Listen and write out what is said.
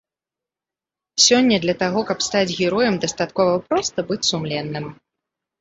Сёння для таго, каб стаць героем, дастаткова проста быць сумленным.